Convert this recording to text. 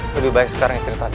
lebih baik sekarang istri tadi